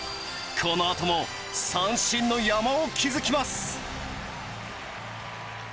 このあとも三振の山を築きます！